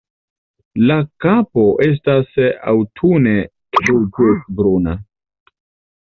La kapo estas aŭtune ruĝecbruna.